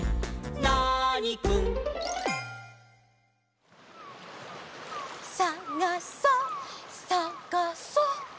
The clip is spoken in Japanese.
ナーニくん」「さがそっ！さがそっ！」